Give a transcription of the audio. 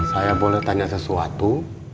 saya boleh tanya sesuatu